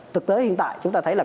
thực tế hiện tại chúng ta thấy là